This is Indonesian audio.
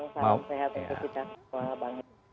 selamat siang salam sehat